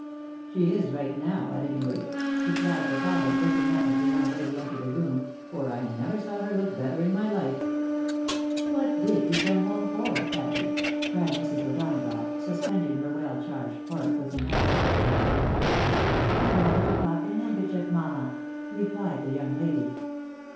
'"_" She is right now, at any rate," replied the father, looking up as the young lady entered the room, " for I never saw her look better in my Mfe." " What did you come home for, Patty ?" cried Mrs. O'Dona gough, suspending her weU charged fork within half an inch of her mouth. " I wanted a pocket handkerchief, mamma," replied the young lady.